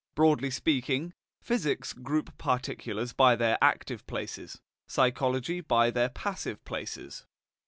Broadly speaking, physics group particulars by their active places, psychology by their passive places.